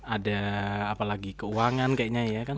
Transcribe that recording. ada apalagi keuangan kayaknya ya kan